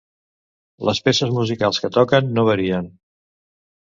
Les peces musicals que toquen no varien.